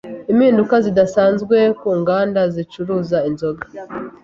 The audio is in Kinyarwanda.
Impinduka zidasanzwe ku nganda zicuruza inzoga